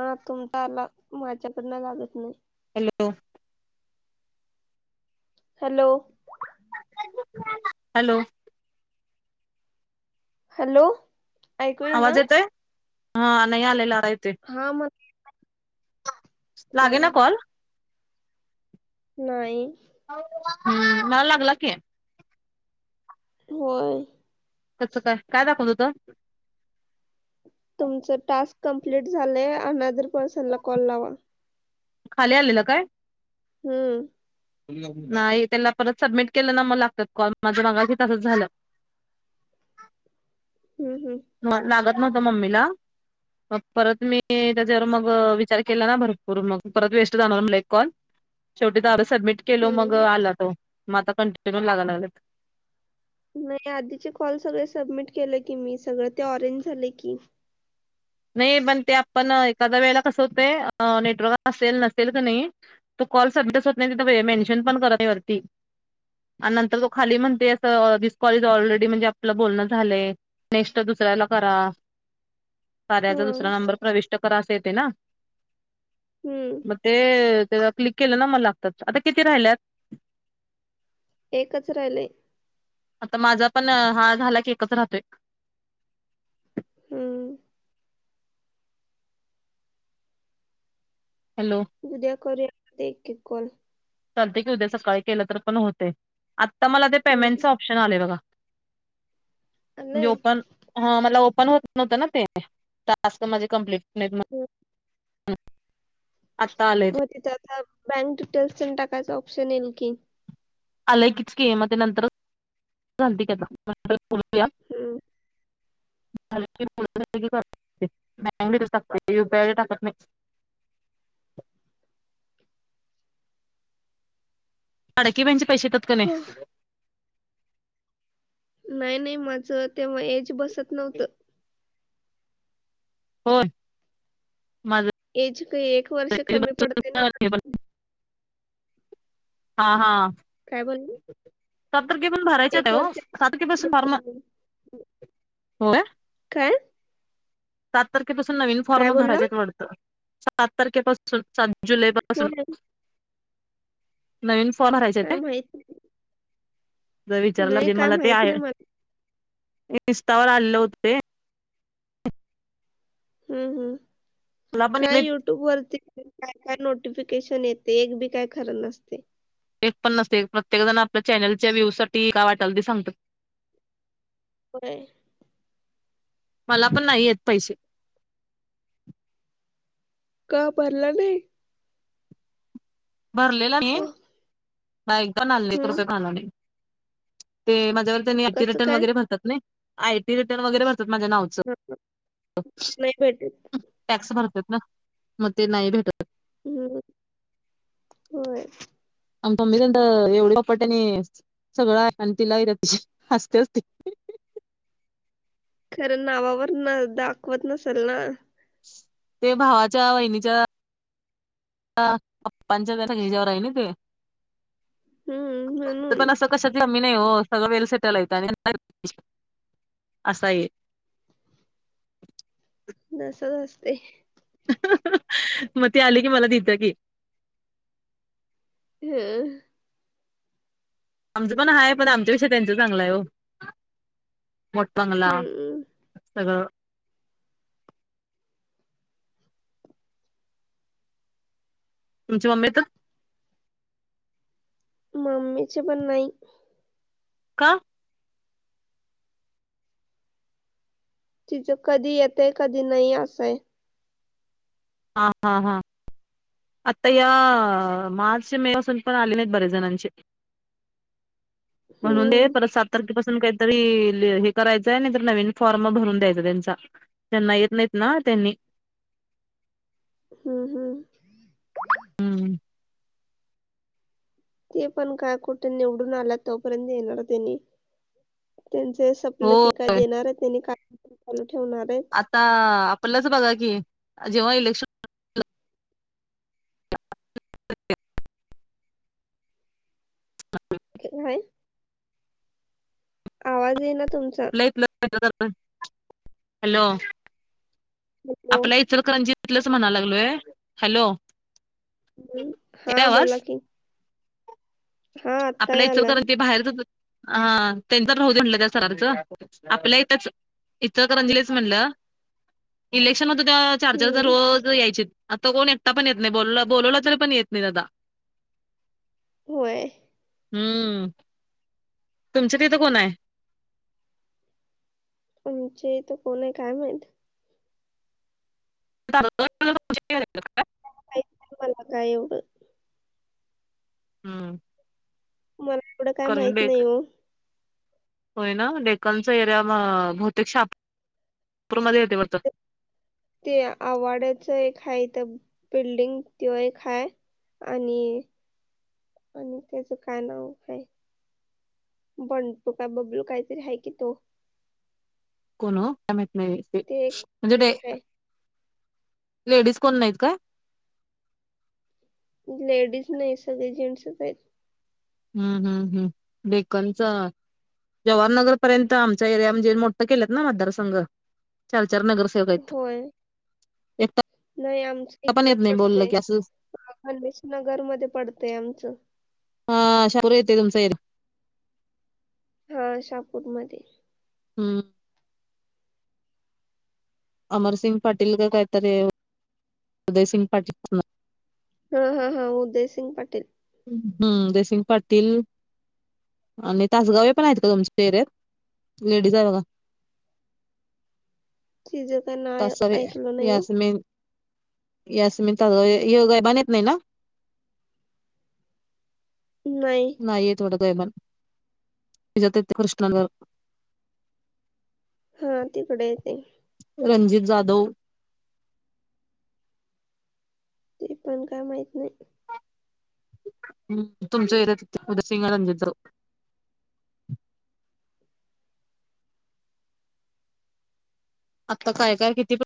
हा तुमचा आला माझ्याकडन लागत नाही. हॅलो. हॅलो. हॅलो. हॅलो ऐकू येना? आवाज येतोय हा नाही आलेला. येतोय हा म. लागे ना कॉल नाही. हम् मला लागला की होय. कसं काय काय दाखवून होता. तुमच टास्क कंप्लीट झालंय अनदर पर्सन ला कॉल लावा. खाली आलेलं काय? हम्म. नाही त्याला परत सबमिट केलं ना म लागतात कॉल माझ मगाशी तसच झालं. हम्म हम्म मग लागत नव्हत मम्मीला म परत मी त्याच्यावर मग केला ना भरपूर मग परत वेस्ट जाणार एक कॉल शेवटी सबमिट केल मग हम्म आला तो मग आता कंटिन्यू लागयला लागला. नाही आधीचे कॉल सगळे सबमिट केले की मी सगळ ते ऑरेंज झाले की. नाही पण ते आपण एखाद्या वेळेला कस होत नेटवर्क असेल नसेल क नाही त कॉल सबमिट होत नाही तिथ मेन्शन पण करत नाही वरती. आणि नंतर तो खाली म्हणते असस धिस कॉल ऑलरेडी म्हणजे आपलं बोलणं झालंय नेक्स्ट ताईला करा. ह साऱ्याचा दुसरा नंबर प्रविष्ट करा अस येते ना हम्म मग ते ते क्लिक केलं ना मला लागतात आता किती राहिल्यात? एकच राहिलंय. आता माझा पण हा झाला की एकच राहतोय. हम्म हॅलो उद्या करूया एक एक कॉल चालते की उद्या सकाळी केलं तर पण होते आता मला ते हम्म पेमेंटचं ऑप्शन आले बघा. म्हणजे आलंय ओपन ह मला ओपन होत नव्हतं ना ते टास्क म्हे कमप्लीट हम्म. [unintelligible] [inaudible] होती आ बँक डिटेल्स प टाकायच ऑप्शन येईल की आलंय कीच केम ते नंतरतेलू झा. हम्म मगुप टाकत अडकीि ब्यांचे पैसे येतात का नाही नाही नाही माझ तेव्हा एज बसत नव्हतं. पण. एज काही एक वर्ष कमी पडते नाण हा हा. काय बोल. सत तारखे पण भरायच्या ते हो कमी सारखेपासून भर म पडते. हो. काय सात तारखेपासून नवीन काय फॉर्म बोलला भरायडतं सात तारखेपासून जुलै हो पासूनन फॉल भरायचे आहेत काय? जर नाही विचारलाजे काय मला ते माहित आहे नाही मला इन्स्टावर आलेलं होते. हम्म हम् मला पण येत काय नाही युट्यूब वरती. काय नोटिफिकेशन येते एक बी काय खरं नसते. एक पण नसते प्रत्येक जण आपल्या चॅनेलच्या व्ह्यू साठी काय वाटल सांगतात. होय. मला पण नाही येत पैसे. का परला नाही. भरलेला आहे ह, एकदा नाल्ले कृप हम्म खालाने ते कसं काय माझ्यावर रतातयी र माझ नाॅस नाही भेटत भर मग ते नाही भेटत हम् होय आम म तंत एवढपटणी सगळं आहे आणि तिलाही र ति हसते असते खरं नावावर न दाखवत नसेल ना ते भावाच्या वहिनीच्या पां जिजवर आहे ना ते हम्म तर म्हणून पण असं कशा आ्ही नाही हो सगळं वेळ सटल य आणि असा आहे [inaudible] नसा न असते मग ते आले की मला देतं की [unintelligible] आमचं पण हाय पण आमच्याविषय त्यांचं चांगलं आहे वो. मोट बंगला, हम्म सगळं. तुमची मम्मीेत. मम्मीचे पण नाइ. का? तिचं कधी येतय कधी नाही असंय. हा, हा, हा. आता या मार्च मे पासून पण आले नाहीत बरेच जणांचे. म्हणून दे हम्म परत सात तारखेपासन काहीतरी हे करायचंय नाही नवीन फॉर्म भरून द्यायच त्यांचा, त्यांना येत नाहीत तेनी. हम्म, हम्म. हम्म. ते पण काय कुठं निवडून आला तोपर्यंत येणार त्यांनी. त्यांचे सपल हो की काय देणार आहेत त्यांनी काय चालू ठेवणार आहेत. आता आपलंच बघा की जेव्हा इलेक्शन [unintelligible] [unintelligible] आवाज येइ ना. तुमचा [unintelligible] हॅलो. हॅलो आपल्या इचरकरंजीतलं म्हणायला लागलोय. हॅलो. हम्, येतोय हा आवाज बोला कि? आपल्या इचलकरंजी बाहेर [unintelligible] आ त्यांच राहू दे म्हणलं त्या सरारचं, आपल्या इथच, इचलकरंजीलाच म्हणलं. इलेक्शन होतं त्यावेळा चार चारजा हम्म रोज यायचीत, आता कोण एकटा पण येत नाही बो बोलवला तरी पण येत नाहीत आता. [inaudible] होय. हम्म. तुमच्या तीथं कोण आहे. आमचे तर कोण आहे काय माहीत? [unintelligible] काहीच मला काय एवढं? हम्म. मला एवढं काय कारण माहित डेक नाही ओ? होय ना डेकनच एरिया बहतेक शापु पुरमध्ये येतय वारत. ते आवड्याच एक हा इथ बिल्डिंग तो एक हाय. आणि, आणि त्याच काय नाव काय? बंटुका बबलू काहीतरी आहे कि तो. काही माहीत नाही ते एक बाई तरी ते हाय [unintelligible] लेडीज कोण नाहीत का? लेडीज नाही सगळे जेंट्सच आहेत. हम्म, हम्म, हम्म डेक्कनच. जवाहरनगर पर्यंत आमच्या एरिया म्हणजे मोठं केलेत ना मतदारसंघ चार चार होय पण येत नाही बोललं की असं ह गणेश नगर मध्ये पडतय आमचं हाशापर येते तुमचं इथ हा शहापूरमध्ये हम अमरसिंग पाटील का काहीतरी उदयसिंग पाटील हा हा हा उदयसिंग पाटील हम्म जसिंग पाटील आणि तासगावे पण आहेत का तुमचे चेरत लेडीज आहे बघा तिचं काय त नाव स ऐकलं नाही या हो असं मेन यास मी ल हे गय बधत नाही ना नाही नाहीय थोड जय मन तजात ते कृष्णावर. हा तीथडे ते रंजित जाधव. ते पण काय माहित नाही. हूं तुमच्या [unintelligible] रंजित जाधव. आत्ता काय काय किती प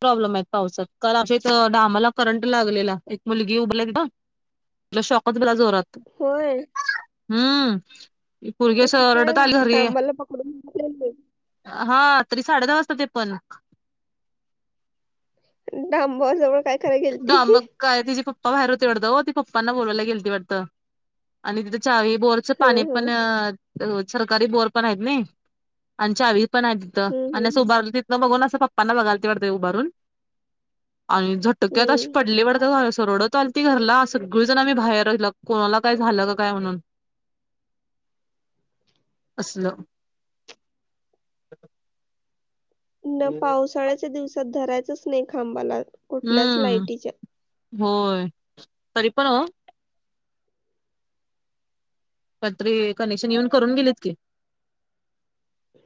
प्रॉब्लेम आहेत पावसात काल आमच्या इथ डामाला करंट लागलेला एक मुलगी उभरल तीला शॉकच बला जोरात. होय. पुर्गी अस कसं काय रडत आली घरी डांबाला पकडून हा तरी साडे दहा वाजता ते पण. डांबावाजवळ काय करायला गेलती दा मक्काय तीजे प प्पा बाहेर होते वाटतं ओ ती पप्पांना बोलायला गेलती वाटतं आणि तिथ चावी बोरच पाणी हं हं पण सरकारी बोर पण हायत नय आणि चावी पण आहे तिथं हं आणि असं हं उभारलं तिथ बघून असं पप्पांना बघालती वाटते उभारून आणि तक्यात अशी हं पडली वाटतं घा रडत आलती घरला सगळीजण आम्ही बाहेर ला कोणाला काय झालं का काय म्हणून. असल. न पावसाळ्याच्या दिवसात धरायचंच नाही खांबाला कुठल्याच हम्म लायटीच्या. होय तरी पण ओ. रात्री कनेक्शन येऊन करून गेलीत की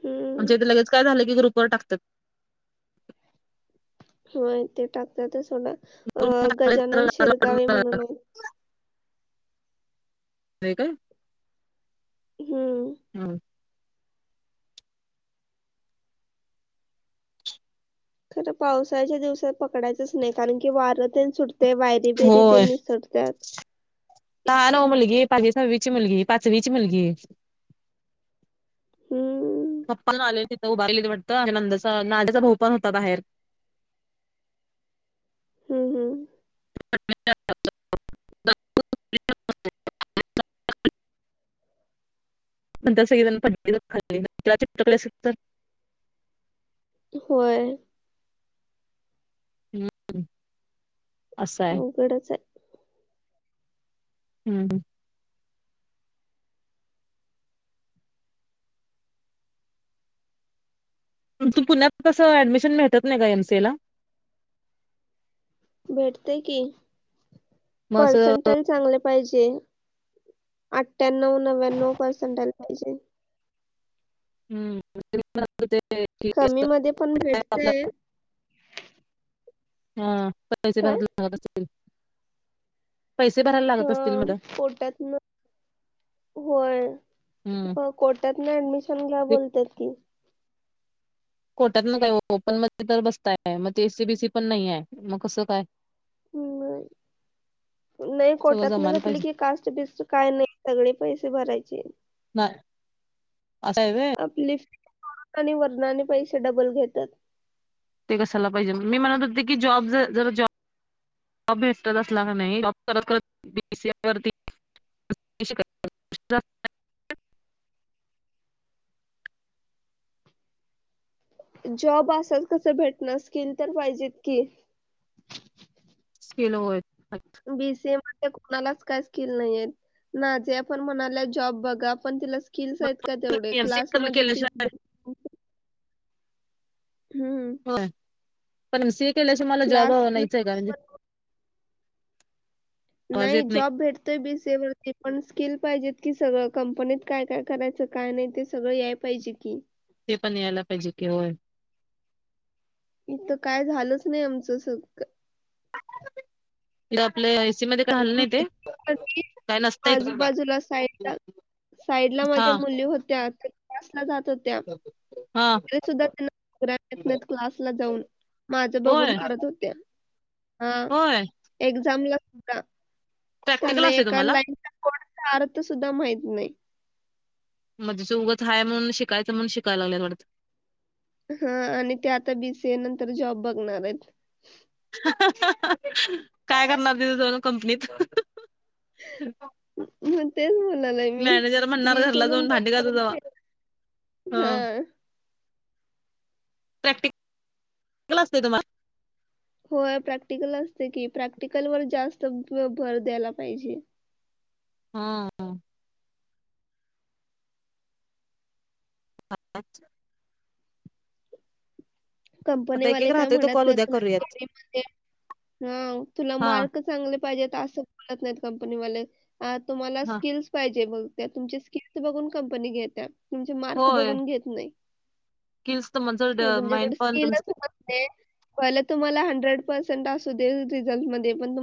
हम्म आमच्या इथ लगेच काय झालं की ग्रुपवर टाकत्यात. होय ते टाकत्यातच सोडा अ गजानन शिरगावे म्हणून आहे. होय का? हम्म खरं पावसाच्या दिवसात पकडायचंच नाही कारण की वारं तेन सुट ते वयरी बिरी होय तेन निसटत्यात. ही पाचवी सावही ची मुलगी पाचवी ची मुलगी. हम्म पप्प आले तिथं उभारलेले वाटतं ते नंदचा नाल्याचा भाऊ पण होता बाहेर. हम्म हम्म. [inaudible] [inaudible] नंतर सगळी जण [unintelligible] तर. होय. हम्म. असं आहे. अवघडच हाय. हम्म. तू पुण्यात कसं ऍडमिशन मिळत्यात ना ग एम सी ए ला? भेटतय की मग असं पर्संटल चांगले पाहिजे आठ्ठ्यांनव नव्व्यांनव पर्सेंटल पाहिजेल. हम्म [unintelligible] कमी मध्ये पण भेटतय काय [inaudible] हा [unintelligible] हा कोर्टातन होय हम्म ह कोर्टात न्यू ऍडमिशन घ्या बोलत्यात ती. कोटातन काय ओ ओपन मध्ये तर बसताय मग ते एस सी बी सी पण नैयाय मग कसं काय? हम्म. नाही सगळं कोर्टात न जमायला घटली पाहिजे. की कास्ट बिस्ट काय नाही सगळे पैसे भरायचे. नाही असं आहे व्हय. आपलीि आणि वरणाने पैसे डबल घेतात ते कसायला पाहिजे मी म्हणत होते की जॉब जर जरा जॉब जॉ भेटत असला का नाही जॉब करत करत बीीसीआय वती [unintelligible] [inaudible] [inaudible] जॉब असाल कस भेटण स्किल तर पाहिजेत की केल हो बी सी म का स्क नाही ना जे आपण म्हणा जॉब बघा आपण किल्स मग आहेत का तेवढे एमसीए क्लासमध्येध्ये केल्याशिवाय हम्म होय. पण म सीए केल्याशि मला जॉब क्लास नाहीच आहे का म्हणजे पण आवाज नाही येत जॉब भेटतोय बीसेेवरती पण स्किल पाहिजे कि सगळं कंपनीत काय काय करायचं काय नाही ते सगळं याय पाहिजे की ते पण यालाफेजके होय इथं काय झालच नाही आमचं सग आपले म का हल नाही ते काय नसतय साईड ला माझ्या मुली होत्या तर क्सला जात होत्या हा तरी सुद्धा त्यांना क्लासला जाऊन माझ्या बघून होय करत होत्या हा होय एक्झामला सुद्धा प्रॅक्टिकल त्यांना असतंय एका तुम्हाला लाईनचा कोड आर्थ सुद्धा माहित नाही मध्येजेचं उगं हा म्हणून शिकायचं म्हणून शिकायला लागल्या थोड्यात हा आणि ते आता बीसीए नंतर जॉब बघणार आहेत काय करणार तिथे दोन कंपनीत ह मग तेच बोलालाय मी बीसी घरला जाऊन भांडी घासा नंतर जावा हा प्रॅक्ट क्लास तम्हाला हो प्रॅक्टिकल असते की प्रॅक्टिकल वर जास्त भर द्यायला पाहिजे हा अच कंपनी आता एक एक वाले काय राहतोय तो म्हणत कॉल नाही उद्या करूयात तुलारी म हा तुला हा मार्क चांगले पाहिजेत असं बोलत नाहीत का तुमला तमक हा कं घ्या तुमचे मार्क बघून घेत नाही किल्स तर म्हणज मान त ह